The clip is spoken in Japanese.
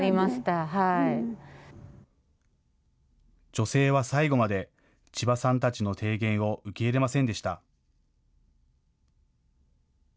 女性は最後まで千葉さんたちの提言を受け入れませんでした。